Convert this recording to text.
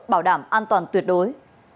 bảo đảm an toàn tuyệt đối